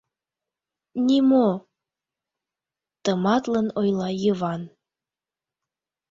— Нимо... — тыматлын ойла Йыван.